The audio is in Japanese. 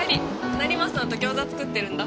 成増さんと餃子作ってるんだ。